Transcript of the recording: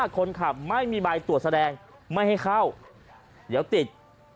คนขับไม่มีใบตรวจแสดงไม่ให้เข้าเดี๋ยวติด